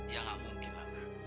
ya gak mungkin mama